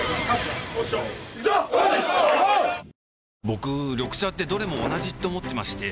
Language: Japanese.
僕緑茶ってどれも同じって思ってまして